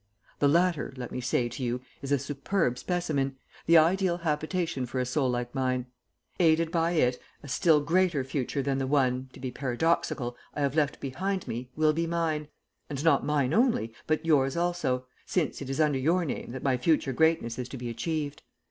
The latter, let me say to you, is a superb specimen, the ideal habitation for a soul like mine. Aided by it a still greater future than the one, to be paradoxical, I have left behind me, will be mine, and not mine only, but yours also, since it is under your name that my future greatness is to be achieved.